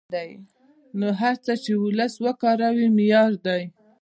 نه هر څه چې وولس وکاروي معیاري دي.